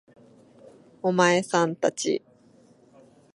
お前さん達